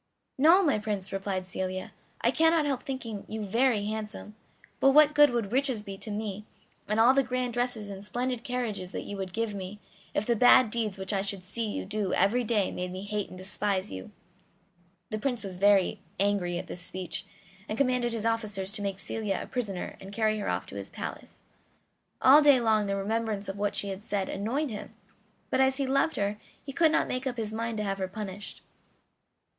"No, my Prince," replied Celia; "I cannot help thinking you very handsome; but what good would riches be to me, and all the grand dresses and splendid carriages that you would give me, if the bad deeds which I should see you do every day made me hate and despise you?" The Prince was very angry at this speech, and commanded his officers to make Celia a prisoner and carry her off to his palace. All day long the remembrance of what she had said annoyed him, but as he loved her he could not make up his mind to have her punished.